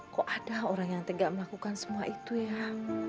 kok ada orang yang tegak melakukan semua itu ya